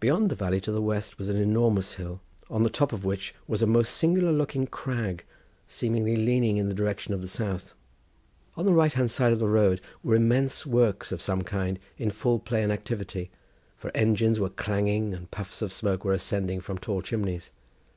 Beyond the valley to the west was an enormous hill, on the top of which was a most singular looking crag, seemingly leaning in the direction of the south. On the right hand side of the road were immense works of some kind in full play and activity, for engines were clanging and puffs of smoke were ascending from tall chimneys.